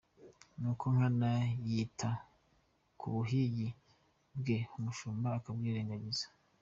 Nuko Nkana yita ku buhigi bwe, ubushumba arabwirengagiza.